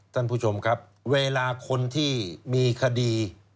ท่านผู้ชมครับเวลาคนที่มีคดี